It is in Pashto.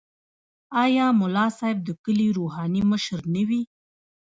آیا ملا صاحب د کلي روحاني مشر نه وي؟